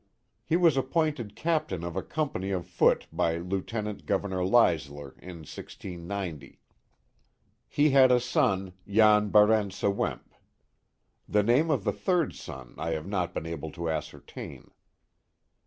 He was appointed captain of a company of foot by Lieutenant Governor Leisler, in 1690. He had a son, Jan Barentse Wemp. The name of the third son I have not been able to ascertain.